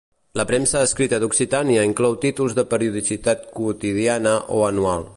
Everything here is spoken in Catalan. La premsa escrita d'Occitània inclou títols de periodicitat quotidiana o anual.